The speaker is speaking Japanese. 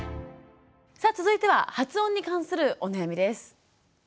さあ続いては発音に関するお悩みです。